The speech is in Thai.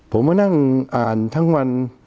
ผมมานั่งอ่านทั้งวัน